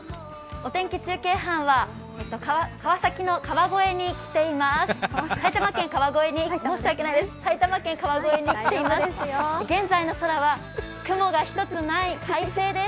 お天気中継班は、埼玉県川越に来ています。